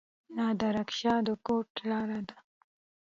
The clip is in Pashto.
نادر شاه کوټ لاره ده؟